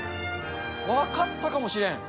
分かったかもしれん。